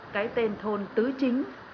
cái tên thôn tứ chính